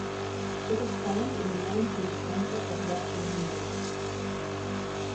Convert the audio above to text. It is found in the mountainous centre of western Honduras.